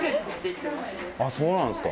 あっそうなんですか